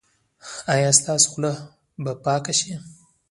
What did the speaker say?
ایا ستاسو خوله به پاکه شي؟